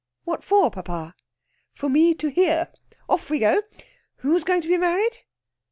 "What for, papa?" "For me to hear. Off we go! Who's going to be married?"